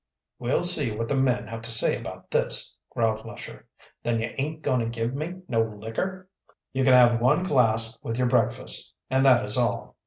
"We'll see what the men have to say about this," growled Lesher. "Then you aint going to give me no liquor?" "You can have one glass with your breakfast, and that is all.